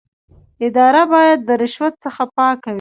اداره باید د رشوت څخه پاکه وي.